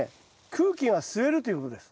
空気が吸えるということです。